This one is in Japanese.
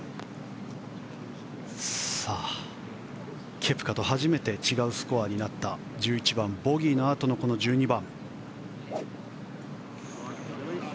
ケプカと初めて違うスコアになった１１番、ボギーのあとのこの１２番。